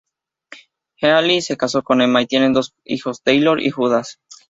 Healy se casó con Emma y tienen dos hijos, Taylor y Judas.